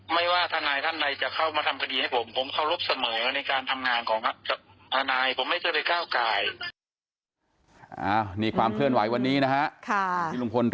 ไม่ว่าทนายท่านใดจะเข้ามาทำคดีให้ผม